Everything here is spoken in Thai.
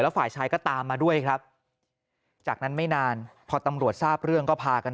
ฝ่ายชายก็ตามมาด้วยครับจากนั้นไม่นานพอตำรวจทราบเรื่องก็พากัน